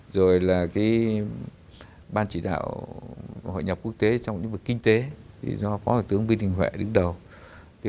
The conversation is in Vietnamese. rồi là ban chỉ đạo hội nhập quốc tế trong lĩnh vực kinh tế do phó thủ tướng vinh đình huệ đứng đầu